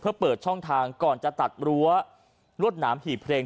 เพื่อเปิดช่องทางก่อนจะตัดรั้วรวดหนามหีบเพลง